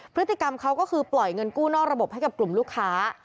พฤติกรรมเขาก็คือปล่อยเงินกู้นอกระบบให้กับกลุ่มลูกค้า